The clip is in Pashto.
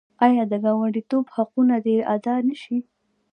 آیا د ګاونډیتوب حقونه دې ادا نشي؟